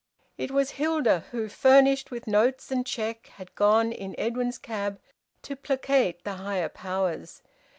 It was Hilda who, furnished with notes and cheque, had gone, in Edwin's cab, to placate the higher powers.